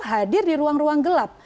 hadir di ruang ruang gelap